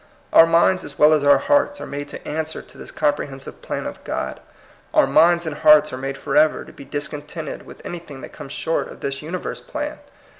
Our minds as well as our hearts are made to answer to this comprehensive plan of God. Our minds and hearts are made forever to be dis contented with anything that comes short of this universe plan.